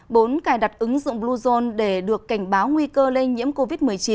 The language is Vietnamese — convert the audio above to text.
bốn cài đặt ứng dụng bluezone để được cảnh báo nguy cơ lây nhiễm covid một mươi chín